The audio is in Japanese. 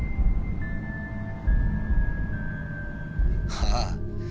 ああ。